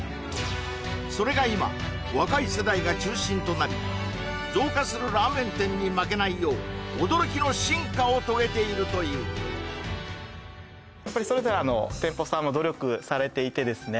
それが今若い世代が中心となり増加するラーメン店に負けないよう驚きの進化を遂げているというやっぱりそれぞれ店舗さんも努力されていてですね